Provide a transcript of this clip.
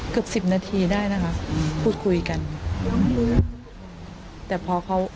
เกือบสิบนาทีได้นะครับอืมพูดคุยกันแต่พอเขา